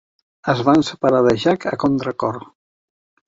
Es van separar de Jack a contracor.